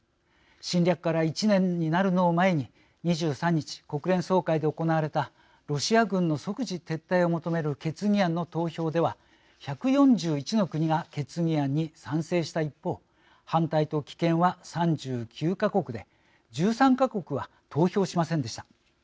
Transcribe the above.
侵略から１年になるのを前に２３日国連総会で行われたロシア軍の即時撤退を求める決議案の投票では、１４１の国が決議案に賛成した一方反対と棄権は３９か国で１３か国は投票しませんでした。